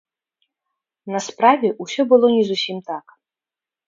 На справе ўсё было не зусім так.